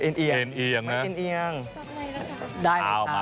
จุลาน่ารักค่ะ